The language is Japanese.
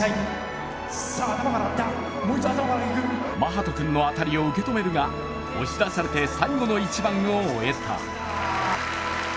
眞羽人君の当たりを受け止めるが押し出されて最後の一番を終えた。